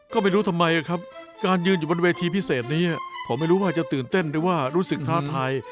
ก็ไม่รู้ทำไมครับการยืนอยู่บนเวทีพิเศษนี้ผมไม่รู้ว่าจะตื่นเต้นหรือว่ารู้สึกท้าทาย